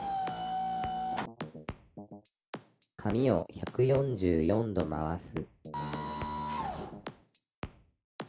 「紙を１４４度回す」